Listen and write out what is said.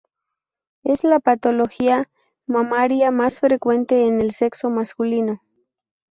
Es la patología mamaria más frecuente en el sexo masculino.